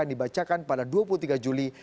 yang dibacakan pada dua puluh tiga juli